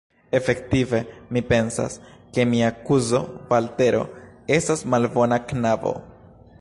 Efektive, mi pensas, ke mia kuzo Valtero estas malbona knabo.